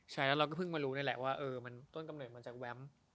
ใช่แล้วเราก็เพิ่งมารู้นี่แหละว่ามันต้นกำเนิดมาจากแวม